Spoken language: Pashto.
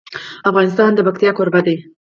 افغانستان د پکتیا کوربه دی.